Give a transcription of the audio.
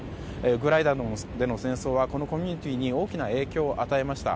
ウクライナでの戦争はこのコミュニティーに大きな影響を与えました。